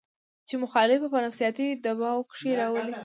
چې مخالف پۀ نفسياتي دباو کښې راولي